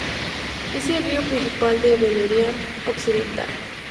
Es el río principal de Beleriand Occidental.